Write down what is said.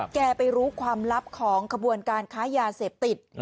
เก้าไปรู้ความลับของคบการค้ายาเสบติก